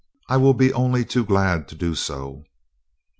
I will be only too glad to do so."